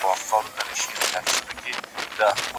ډېر عمر ښه دی عجیبي وینو